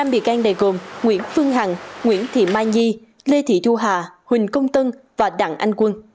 năm bị can này gồm nguyễn phương hằng nguyễn thị mai nhi lê thị thu hà huỳnh công tân và đặng anh quân